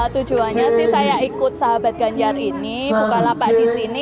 tujuannya sih saya ikut sahabat ganjar ini bukalapak di sini